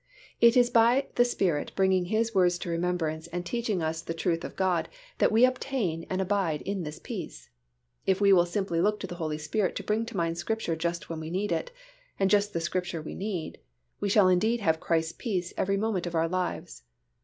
It is by the Spirit bringing His words to remembrance and teaching us the truth of God that we obtain and abide in this peace. If we will simply look to the Holy Spirit to bring to mind Scripture just when we need it, and just the Scripture we need, we shall indeed have Christ's peace every moment of our lives.